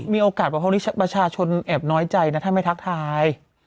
มีโอกาสบอกพวกนี้ประชาชนแอบน้อยใจนะถ้าไม่ทักทาย